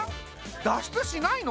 脱出しないの？